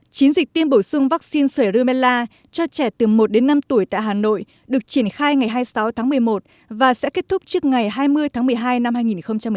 chiến dịch tiêm bổ sung vaccine sởi rumela cho trẻ từ một đến năm tuổi tại hà nội được triển khai ngày hai mươi sáu tháng một mươi một và sẽ kết thúc trước ngày hai mươi tháng một mươi hai năm hai nghìn một mươi chín